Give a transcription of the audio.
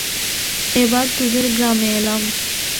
এবার তোদের গ্রামে এলাম।